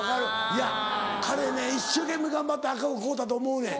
いや彼ね一生懸命頑張って赤福買うたと思うねん。